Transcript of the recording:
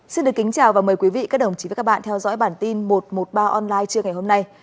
xin kính chào và mời quý vị các đồng chí và các bạn theo dõi bản tin một trăm một mươi ba online trưa ngày hôm nay